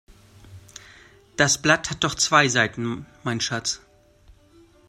Das Blatt hat doch zwei Seiten mein Schatz.